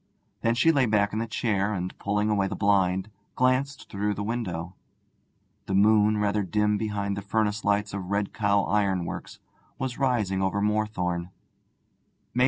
Then she lay back in the chair, and, pulling away the blind, glanced through the window; the moon, rather dim behind the furnace lights of Red Cow Ironworks, was rising over Moorthorne.